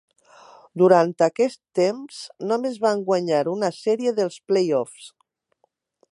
Durant aquest temps, només van guanyar una sèrie dels playoffs.